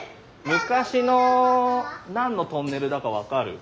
昔の何のトンネルだか分かる？